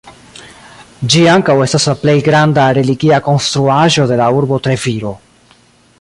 Ĝi ankaŭ estas la plej granda religia konstruaĵo de la urbo Treviro.